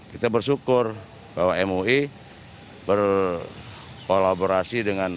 kita bersyukur bahwa mui berkolaborasi dengan